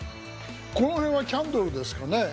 この辺はキャンドルですかね？